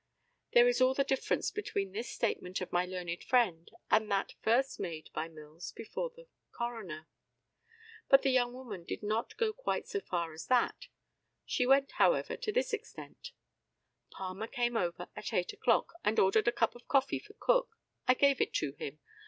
There is all the difference between this statement of my learned friend and that first made by Mills before the coroner. But the young woman did not go quite so far as that. She went however to this extent: "Palmer came over at 8 o'clock and ordered a cup of coffee for Cook. I gave it to him.